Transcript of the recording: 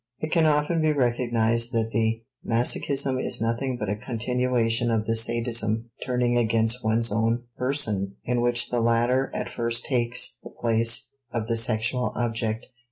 It can often be recognized that the masochism is nothing but a continuation of the sadism turning against one's own person in which the latter at first takes the place of the sexual object.